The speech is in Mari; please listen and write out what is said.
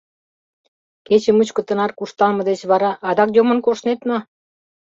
— Кече мучко тынар куржталме деч вара адак йомын коштнет мо?